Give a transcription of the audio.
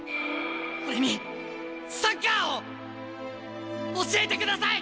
俺にサッカーを教えてください！